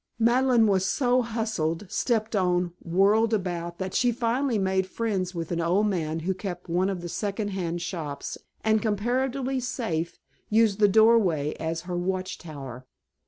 Madeleine was so hustled, stepped on, whirled about, that she finally made friends with an old man who kept one of the secondhand shops, and, comparatively safe, used the doorway as her watch tower.